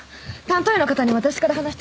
担当医の方に私から話してみます。